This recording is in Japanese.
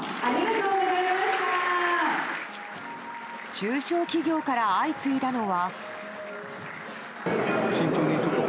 中小企業から相次いだのは。